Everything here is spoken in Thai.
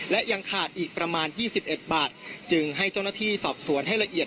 และยังขาดอีกประมาณ๒๑บาทจึงให้เจ้าหน้าที่สอบสวนให้ละเอียด